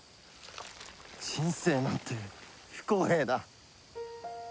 人生なんて不公平だ。